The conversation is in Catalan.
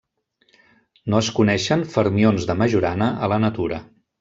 No es coneixen fermions de Majorana a la natura.